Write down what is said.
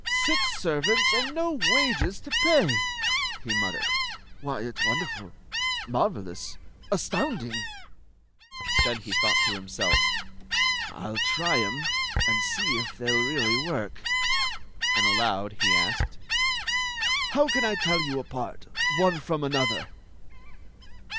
Six servants, and no wages to pay!" he muttered. "Why, it s wonderful — marvelous — astounding!" Then he thought to himself: "I '11 try *em, and see if they *11 really work." And aloud he asked: "How can I tell you apart — one from another?"